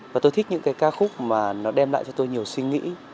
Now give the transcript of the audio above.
và tôi thích những cái ca khúc mà nó đem lại cho tôi nhiều suy nghĩ